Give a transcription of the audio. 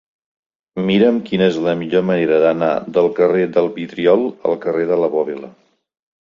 Mira'm quina és la millor manera d'anar del carrer del Vidriol al carrer de la Bòbila.